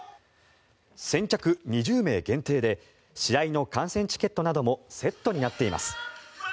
先着２０名限定で試合の観戦チケットなどもセットになっています。